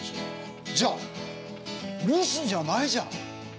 じゃ留守じゃないじゃん。